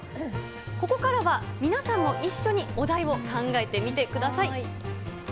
ここからは皆さんも一緒にお題を考えてみてください。